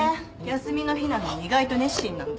休みの日なのに意外と熱心なんだ。